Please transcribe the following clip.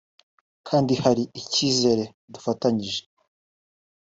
kandi hari icyizere dufatanyije